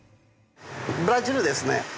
ブラジルですね。